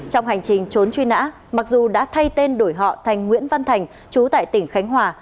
trong hành trình trốn truy nã mặc dù đã thay tên đổi họ thành nguyễn văn thành chú tại tỉnh khánh hòa